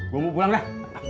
gue mau pulang dah